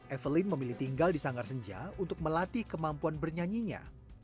evelyn memilih tinggal di sanggar senja untuk melatih kemampuan bernyanyinya